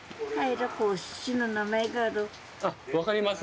あっ分かります？